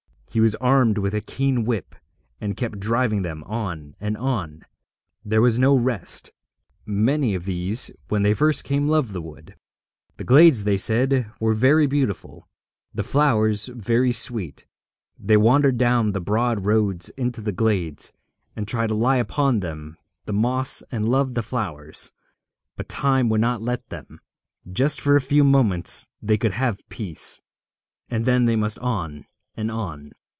He was armed with a keen whip, and kept driving them on and on; there was no rest. Many of these when they first came loved the wood. The glades, they said, were very beautiful, the flowers very sweet. They wandered down the broad roads into the glades, and tried to lie upon the moss and love the flowers; but Time would not let them. Just for a few moments they could have peace, and then they must on and on.